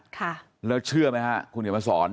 ค่ะแล้วเชื่อไหมฮะคุณเขียนมาสอน